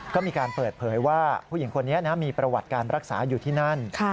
ก็มีการเปิดเผยว่าผู้หญิงคนนี้มีประวัติการรักษาอยู่ที่นั่น